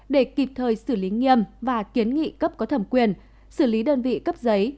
để kịp thời xử lý nghiêm và kiến nghị cấp có thẩm quyền xử lý đơn vị cấp giấy